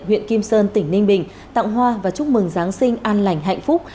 huyện kim sơn tỉnh ninh bình tặng hoa và chúc mừng giáng sinh an lành hạnh phúc